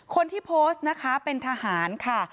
คนที่โพสต์นะคะเป็นทหารค่ะ